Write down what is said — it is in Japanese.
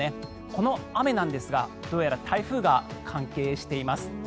この雨なんですがどうやら台風が関係しています。